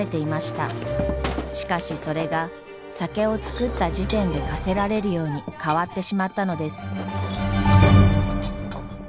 しかしそれが酒を造った時点で課せられるように変わってしまったのです。